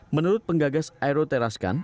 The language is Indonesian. menurut penggagas aeroteraskan